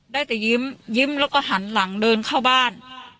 ได้แต่ยิ้มยิ้มแล้วก็หันหลังเดินเข้าบ้าน